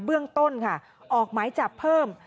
เบื้องต้นค่ะออกหมายจับเพิ่ม